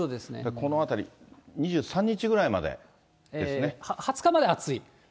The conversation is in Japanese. このあたり、２３日ぐらいまでで２０日まで暑い。